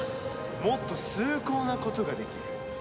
もっと崇高なことができる。